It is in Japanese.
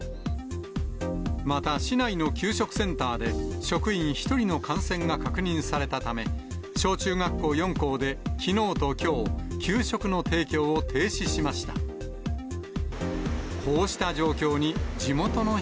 また、市内の給食センターで職員１人の感染が確認されたため、小中学校４校で、きのうときょう、給食の提供を停止しました。